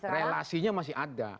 relasinya masih ada